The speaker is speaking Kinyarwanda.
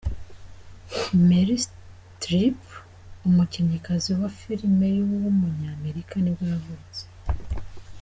Meryl Streep, umukinnyikazi wa filime w’umunyamerika nibwo yavutse.